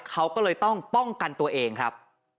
เขาก็เลยต้องป้องกันตัวเองครับ